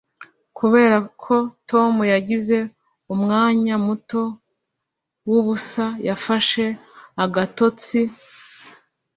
Kubera ko Tom yagize umwanya muto wubusa, yafashe agatotsi.